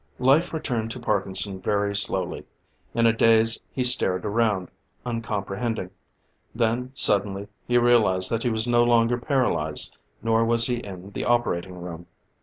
Life returned to Parkinson very slowly. In a daze he stared around, uncomprehending. Then suddenly he realized that he was no longer paralyzed: nor was he in the operating room.